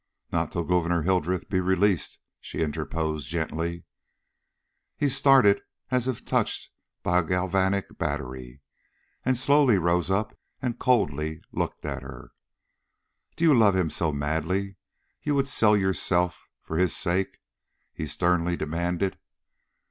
"Not till Gouverneur Hildreth be released," she interposed, gently. He started as if touched by a galvanic battery, and slowly rose up and coldly looked at her. "Do you love him so madly you would sell yourself for his sake?" he sternly demanded.